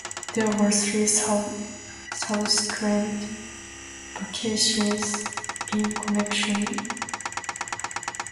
There were three subsequent vacancies in Connecticut's representation.